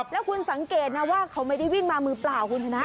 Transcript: แล้วคุณสังเกตนะว่าเขาไม่ได้วิ่งมามือเปล่าคุณชนะ